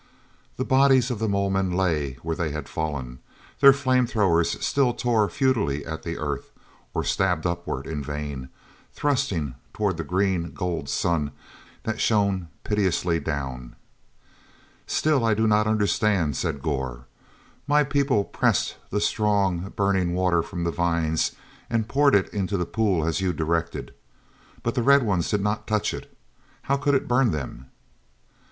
The bodies of the mole men lay where they had fallen; their flame throwers still tore futilely at the earth or stabbed upward in vain, thrusting toward the green gold sun that shone pitilessly down. "Still I do not understand," said Gor. "My people pressed the strong, burning water from the vines and poured it into the pool as you directed. But the Red Ones did not touch it—how could it burn them?"